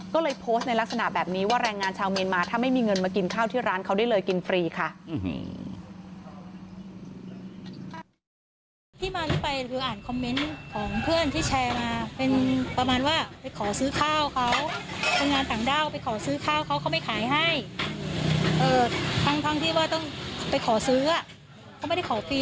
ก็เลยโพสต์ในลักษณะแบบนี้ว่าแรงงานชาวเมียนมาถ้าไม่มีเงินมากินข้าวที่ร้านเขาได้เลยกินฟรีค่ะ